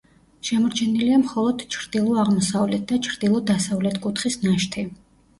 შემორჩენილია მხოლოდ ჩრდილო-აღმოსავლეთ და ჩრდილო-დასავლეთ კუთხის ნაშთი.